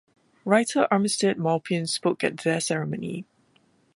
Writer Armistead Maupin spoke at their ceremony.